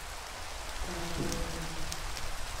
rwa nzabara ya ruziga,